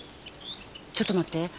ちょっと待って。